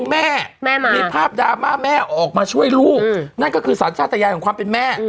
แม่มีภาพดราม่าแม่ออกมาช่วยลูกนั่นก็คือสัญชาติยานของความเป็นแม่